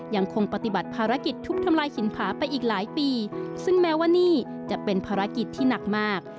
ยังคงปฏิบัติภารกิจทุบทำลายหินผาไปอีกหลายปีซึ่งแม้ว่านี่จะเป็นภารกิจที่หนักมาก